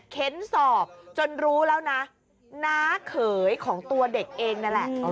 เค้นสอบจนรู้แล้วนะน้าเขยของตัวเด็กเองนั่นแหละ